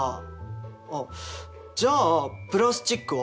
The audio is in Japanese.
あっじゃあプラスチックは？